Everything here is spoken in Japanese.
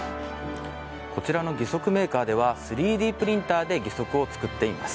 こちらの義足メーカーでは３Ｄプリンターで義足を作っています。